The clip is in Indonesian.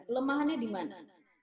kelemahannya di mana